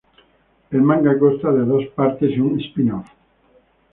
El manga consta de dos partes y un spin-off.